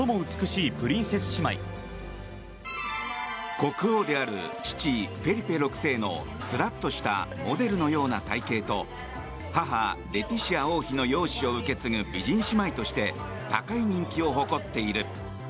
国王である父フェリペ６歳のスラッとしたモデルのような体形と母レティシア王妃の容姿を受け継ぐ、美人姉妹として高い人気を誇っている。